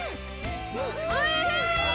おいしい！